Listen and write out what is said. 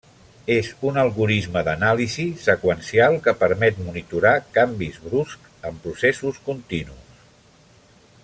És un algorisme d'anàlisi seqüencial que permet monitorar canvis bruscs en processos continus.